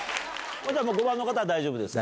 もう５番の方は大丈夫ですか？